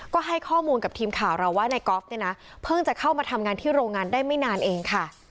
ก็ให้ข้อมูลกับทีมข่าวเราว่านายกอล์ฟเนี่ยนะเพิ่งจะเข้ามาทำงานที่โรงงานได้ไม่นานเองค่ะ